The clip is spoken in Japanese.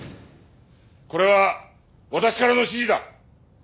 これは私からの指示だ！